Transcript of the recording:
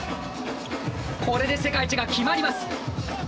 これで世界一が決まります。